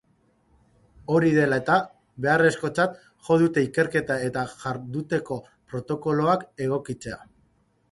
Hori dela eta, beharrezkotzat jo dute ikerketa eta jarduteko protokoloak egokitzea.